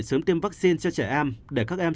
sớm tiêm vaccine cho trẻ em để các em